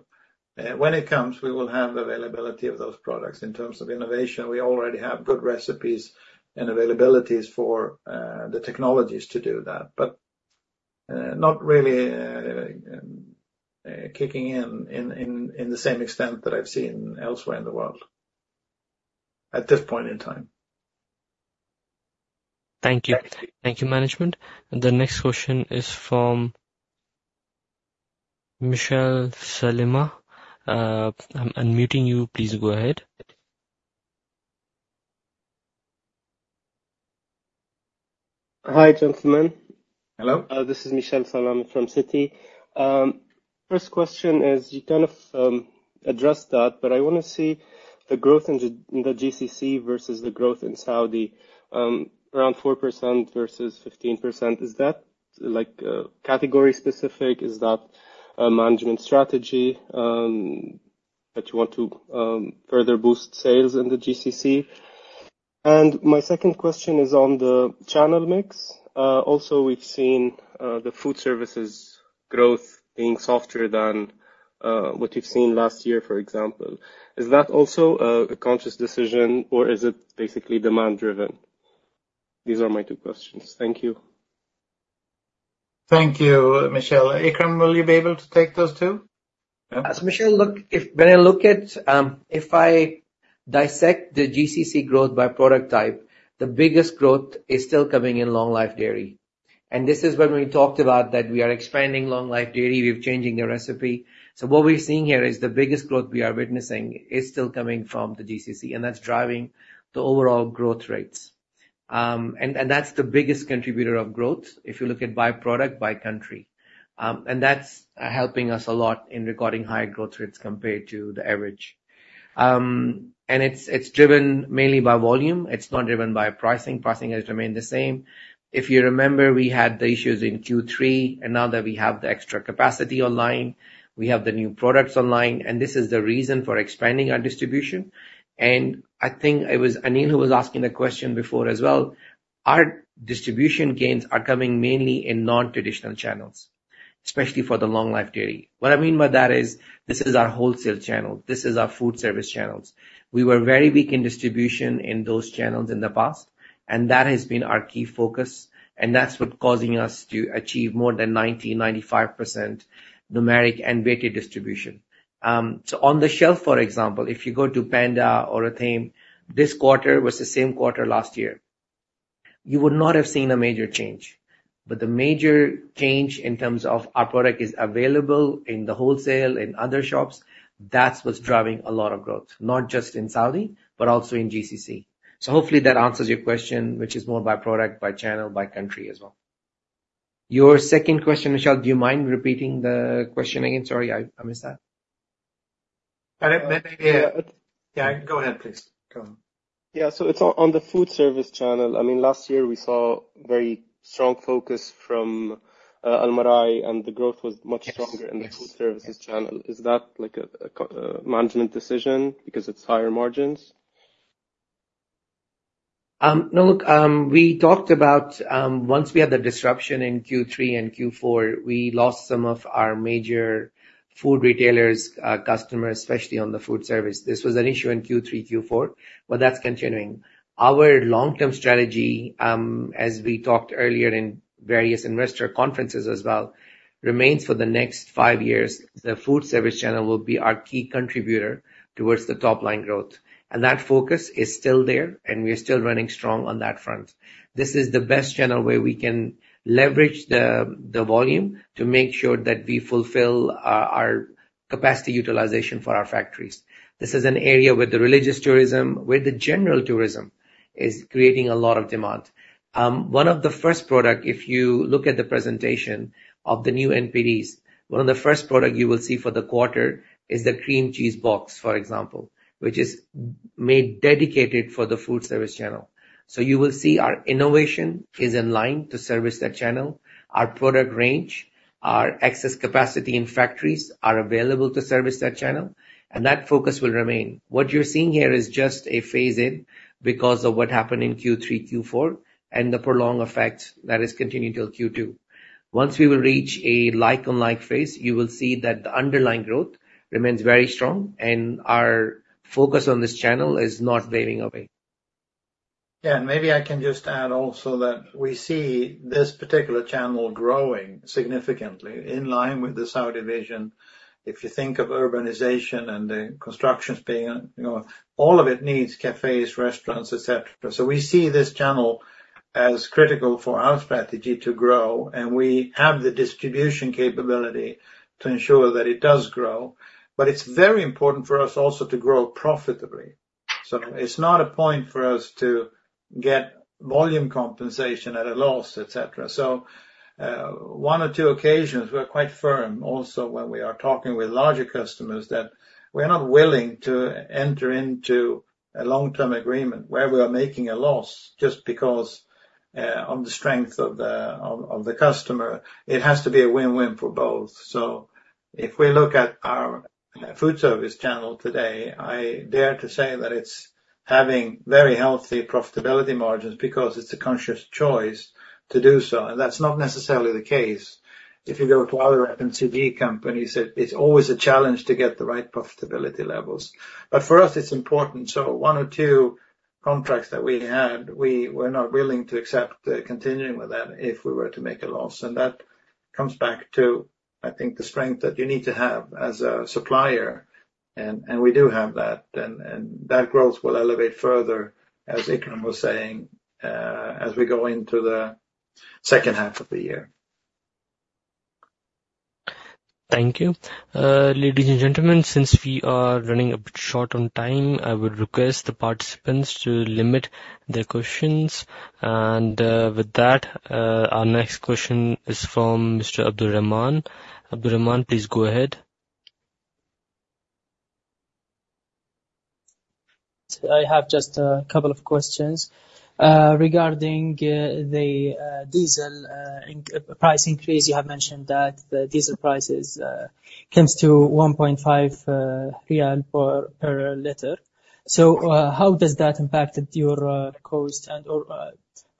When it comes, we will have availability of those products in terms of innovation. We already have good recipes and availabilities for the technologies to do that, but not really kicking in in the same extent that I've seen elsewhere in the world at this point in time. Thank you. Thank you, management. The next question is from Michel Salameh. I'm unmuting you. Please go ahead. Hi, gentlemen. Hello. This is Meshal Salameh from Citi. First question is you kind of addressed that, but I want to see the growth in the GCC versus the growth in Saudi, around 4% versus 15%. Is that category-specific? Is that a management strategy that you want to further boost sales in the GCC? And my second question is on the channel mix. Also, we've seen the food services growth being softer than what you've seen last year, for example. Is that also a conscious decision, or is it basically demand-driven? These are my two questions. Thank you. Thank you, Meshal. Ikram, will you be able to take those two? As Meshal, when I look at if I dissect the GCC growth by product type, the biggest growth is still coming in Long-Life Dairy. This is when we talked about that we are expanding Long-Life Dairy. We're changing the recipe. So what we're seeing here is the biggest growth we are witnessing is still coming from the GCC, and that's driving the overall growth rates. That's the biggest contributor of growth if you look at by product, by country. That's helping us a lot in recording higher growth rates compared to the average. It's driven mainly by volume. It's not driven by pricing. Pricing has remained the same. If you remember, we had the issues in Q3, and now that we have the extra capacity online, we have the new products online, and this is the reason for expanding our distribution. I think it was Anil who was asking the question before as well. Our distribution gains are coming mainly in non-traditional channels, especially for the Long-Life Dairy. What I mean by that is this is our wholesale channel. This is our food service channels. We were very weak in distribution in those channels in the past, and that has been our key focus. And that's what's causing us to achieve more than 90%-95% numeric and weighted distribution. So on the shelf, for example, if you go to Panda or Othaim this quarter versus same quarter last year, you would not have seen a major change. But the major change in terms of our product is available in the wholesale and other shops. That's what's driving a lot of growth, not just in Saudi, but also in GCC. So hopefully that answers your question, which is more by product, by channel, by country as well. Your second question, Michelle, do you mind repeating the question again? Sorry, I missed that. Yeah. Yeah, go ahead, please. Go on. Yeah. So it's on the food service channel. I mean, last year, we saw very strong focus from Almarai, and the growth was much stronger in the food services channel. Is that like a management decision because it's higher margins? No, look, we talked about once we had the disruption in Q3 and Q4, we lost some of our major food retailers' customers, especially on the food service. This was an issue in Q3, Q4, but that's continuing. Our long-term strategy, as we talked earlier in various investor conferences as well, remains for the next five years. The food service channel will be our key contributor towards the top-line growth. That focus is still there, and we are still running strong on that front. This is the best channel where we can leverage the volume to make sure that we fulfill our capacity utilization for our factories. This is an area where the religious tourism, where the general tourism is creating a lot of demand. One of the first products, if you look at the presentation of the new NPDs, one of the first products you will see for the quarter is the cream cheese box, for example, which is made dedicated for the food service channel. So you will see our innovation is in line to service that channel. Our product range, our excess capacity in factories are available to service that channel, and that focus will remain. What you're seeing here is just a phase-in because of what happened in Q3, Q4, and the prolonged effect that has continued till Q2. Once we will reach a like-on-like phase, you will see that the underlying growth remains very strong, and our focus on this channel is not waving away. Yeah. And maybe I can just add also that we see this particular channel growing significantly in line with the Saudi Vision. If you think of urbanization and the constructions being all of it needs cafes, restaurants, etc. So we see this channel as critical for our strategy to grow, and we have the distribution capability to ensure that it does grow. But it's very important for us also to grow profitably. So it's not a point for us to get volume compensation at a loss, etc. So one or two occasions, we're quite firm also when we are talking with larger customers that we're not willing to enter into a long-term agreement where we are making a loss just because of the strength of the customer. It has to be a win-win for both. So if we look at our food service channel today, I dare to say that it's having very healthy profitability margins because it's a conscious choice to do so. And that's not necessarily the case. If you go to other FMCG companies, it's always a challenge to get the right profitability levels. But for us, it's important. So one or two contracts that we had, we were not willing to accept continuing with that if we were to make a loss. And that comes back to, I think, the strength that you need to have as a supplier. And we do have that. And that growth will elevate further, as Ikram was saying, as we go into the second half of the year. Thank you. Ladies and gentlemen, since we are running a bit short on time, I would request the participants to limit their questions. With that, our next question is from Mr. Abdul Rahman. Abdul Rahman, please go ahead. I have just a couple of questions regarding the diesel price increase. You have mentioned that the diesel prices came to SAR 1.5 per liter. So how does that impact your cost, and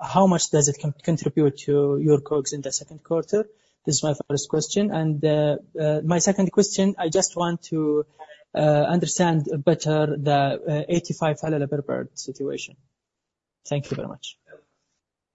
how much does it contribute to your costs in the second quarter? This is my first question. And my second question, I just want to understand better the 0.85 per bird situation. Thank you very much.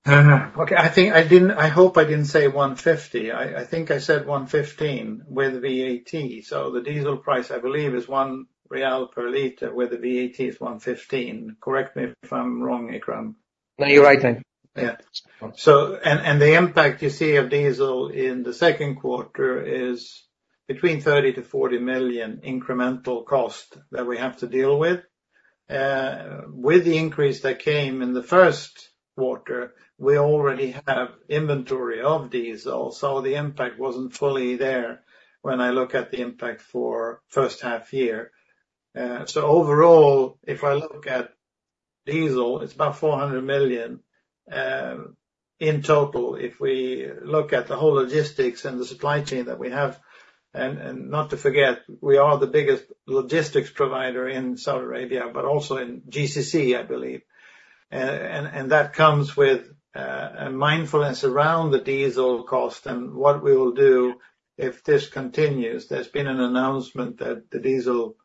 Okay. I hope I didn't say 150. I think I said 115 with VAT. So the diesel price, I believe, is SAR 1 per liter, where the VAT is 115. Correct me if I'm wrong, Ikram. No, you're right. Yeah. And the impact you see of diesel in the second quarter is between 30 million-40 million incremental cost that we have to deal with. With the increase that came in the first quarter, we already have inventory of diesel. So the impact wasn't fully there when I look at the impact for the first half year. So overall, if I look at diesel, it's about 400 million in total if we look at the whole logistics and the supply chain that we have. And not to forget, we are the biggest logistics provider in Saudi Arabia, but also in GCC, I believe. And that comes with a mindfulness around the diesel cost and what we will do if this continues. There's been an announcement that the diesel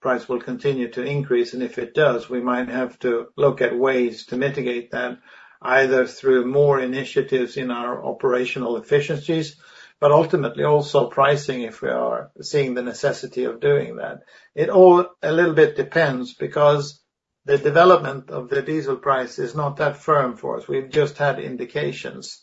price will continue to increase. And if it does, we might have to look at ways to mitigate that either through more initiatives in our operational efficiencies, but ultimately also pricing if we are seeing the necessity of doing that. It all a little bit depends because the development of the diesel price is not that firm for us. We've just had indications.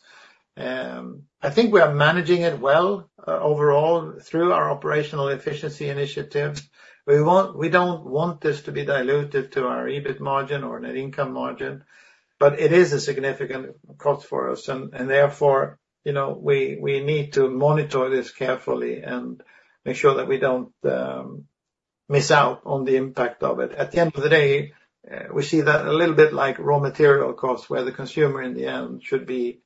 I think we are managing it well overall through our operational efficiency initiative. We don't want this to be dilutive to our EBIT margin or net income margin, but it is a significant cost for us. And therefore, we need to monitor this carefully and make sure that we don't miss out on the impact of it. At the end of the day, we see that a little bit like raw material costs where the consumer in the end should be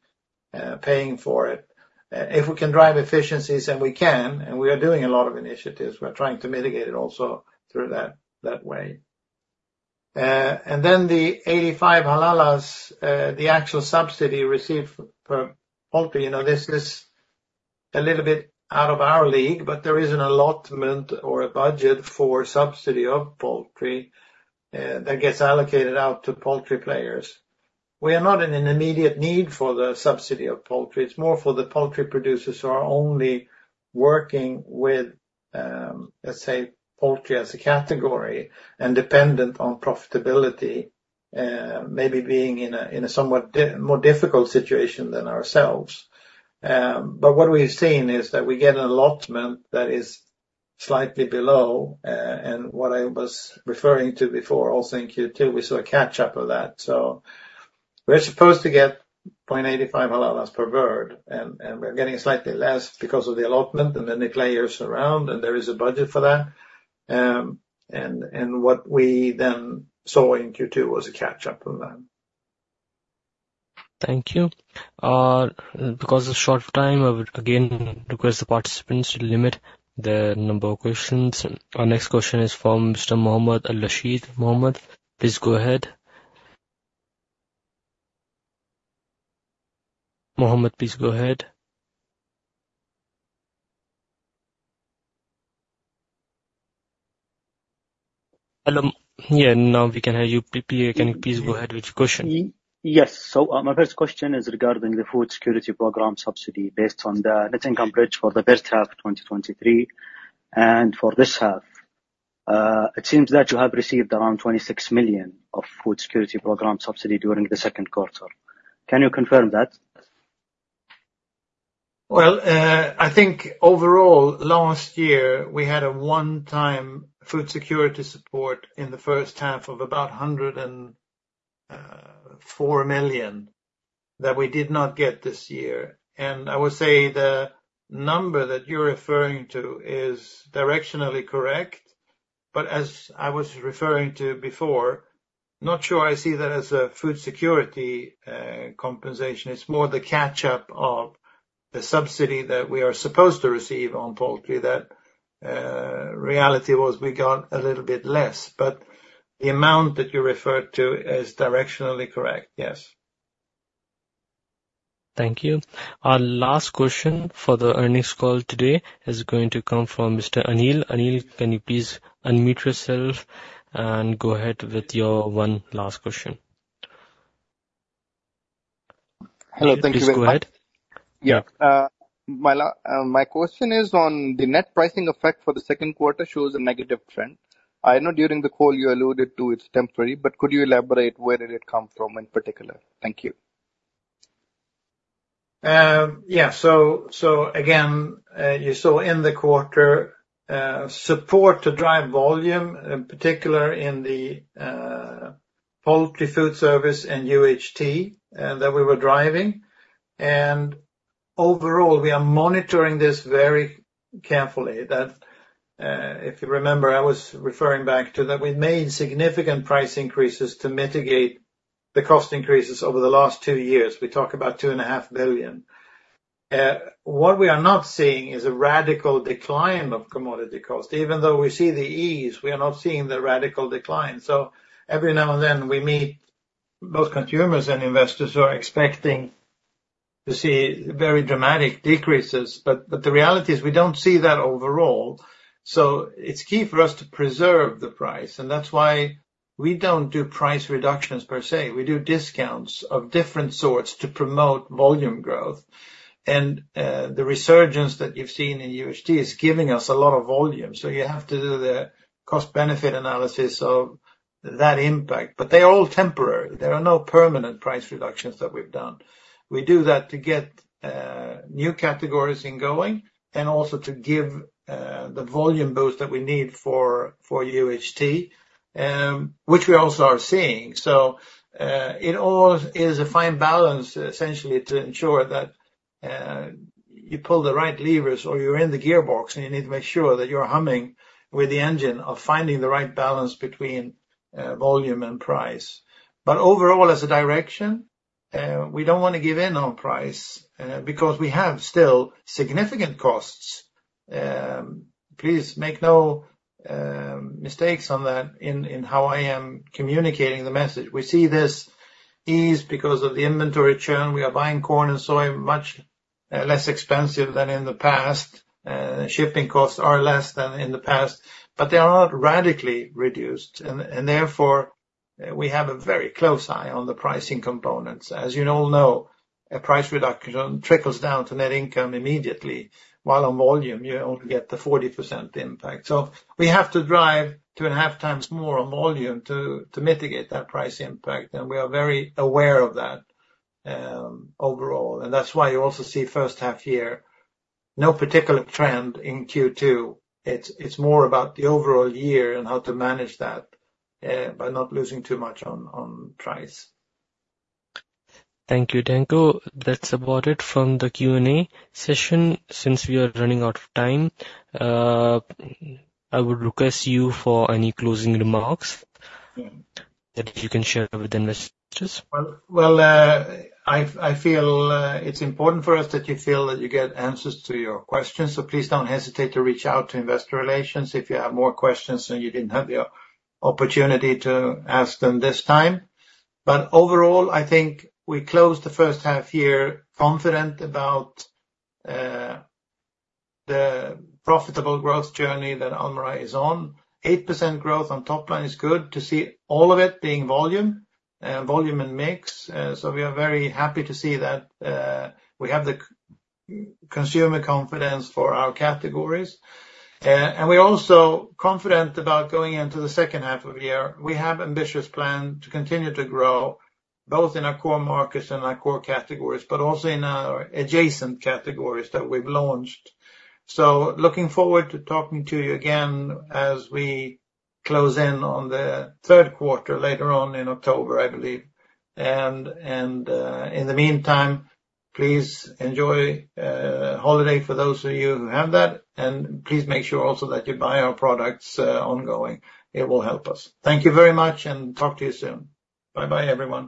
paying for it. If we can drive efficiencies, and we can, and we are doing a lot of initiatives, we're trying to mitigate it also through that way. And then the 0.85, the actual subsidy received for poultry, this is a little bit out of our league, but there is an allotment or a budget for subsidy of poultry that gets allocated out to poultry players. We are not in an immediate need for the subsidy of poultry. It's more for the poultry producers who are only working with, let's say, poultry as a category and dependent on profitability, maybe being in a somewhat more difficult situation than ourselves. But what we've seen is that we get an allotment that is slightly below. And what I was referring to before, also in Q2, we saw a catch-up of that. So we're supposed to get 0.85 per bird, and we're getting slightly less because of the allotment and the intricacies around, and there is a budget for that. What we then saw in Q2 was a catch-up on that. Thank you. Because of short time, I would again request the participants to limit the number of questions. Our next question is from Mr. Mohammed Al-Rashid. Muhammad, please go ahead. Mohammed, please go ahead. Hello. Yeah. Now we can hear you. PPA, can you please go ahead with your question? Yes. So my first question is regarding the Food Security Program subsidy based on the net income bridge for the first half of 2023. For this half, it seems that you have received around 26 million of Food Security Program subsidy during the second quarter. Can you confirm that? Well, I think overall, last year, we had a one-time food security support in the first half of about 104 million that we did not get this year. I would say the number that you're referring to is directionally correct. As I was referring to before, not sure I see that as a food security compensation. It's more the catch-up of the subsidy that we are supposed to receive on poultry that reality was we got a little bit less. The amount that you referred to is directionally correct. Yes. Thank you. Our last question for the earnings call today is going to come from Mr. Anil. Anil, can you please unmute yourself and go ahead with your one last question? Hello. Thank you. Please go ahead. Yeah. My question is on the net pricing effect for the second quarter shows a negative trend. I know during the call, you alluded to it's temporary, but could you elaborate where did it come from in particular? Thank you. Yeah. So again, you saw in the quarter support to drive volume, in particular in the poultry food service and UHT that we were driving. And overall, we are monitoring this very carefully. If you remember, I was referring back to that we made significant price increases to mitigate the cost increases over the last two years. We talk about 2.5 billion. What we are not seeing is a radical decline of commodity cost. Even though we see the ease, we are not seeing the radical decline. So every now and then, we meet those consumers and investors who are expecting to see very dramatic decreases. But the reality is we don't see that overall. So it's key for us to preserve the price. And that's why we don't do price reductions per se. We do discounts of different sorts to promote volume growth. The resurgence that you've seen in UHT is giving us a lot of volume. You have to do the cost-benefit analysis of that impact. They are all temporary. There are no permanent price reductions that we've done. We do that to get new categories in going and also to give the volume boost that we need for UHT, which we also are seeing. It all is a fine balance, essentially, to ensure that you pull the right levers or you're in the gearbox and you need to make sure that you're humming with the engine of finding the right balance between volume and price. Overall, as a direction, we don't want to give in on price because we have still significant costs. Please make no mistakes on that in how I am communicating the message. We see this ease because of the inventory churn. We are buying corn and soy much less expensive than in the past. Shipping costs are less than in the past, but they are not radically reduced. Therefore, we have a very close eye on the pricing components. As you all know, a price reduction trickles down to net income immediately. While on volume, you only get the 40% impact. So we have to drive 2.5x more on volume to mitigate that price impact. We are very aware of that overall. That's why you also see first half year, no particular trend in Q2. It's more about the overall year and how to manage that by not losing too much on price. Thank you, Danko. That's about it from the Q&A session. Since we are running out of time, I would request you for any closing remarks that you can share with investors. Well, I feel it's important for us that you feel that you get answers to your questions. So please don't hesitate to reach out to investor relations if you have more questions and you didn't have the opportunity to ask them this time. But overall, I think we closed the first half year confident about the profitable growth journey that Almarai is on. 8% growth on top line is good to see all of it being volume and mix. So we are very happy to see that we have the consumer confidence for our categories. And we're also confident about going into the second half of the year. We have ambitious plans to continue to grow both in our core markets and our core categories, but also in our adjacent categories that we've launched. Looking forward to talking to you again as we close in on the third quarter later on in October, I believe. In the meantime, please enjoy a holiday for those of you who have that. Please make sure also that you buy our products ongoing. It will help us. Thank you very much and talk to you soon. Bye-bye, everyone.